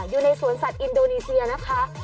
อยู่ในสวนสัตว์อินโดนีเซียนะคะ